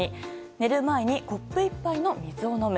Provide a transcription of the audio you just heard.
寝る前にコップ１杯の水を飲む。